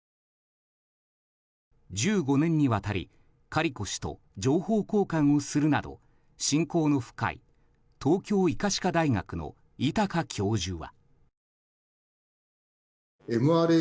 １５年にわたりカリコ氏と情報交換をするなど親交の深い東京医科歯科大学の位高教授は。